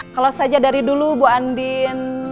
kalau saja dari dulu bu andin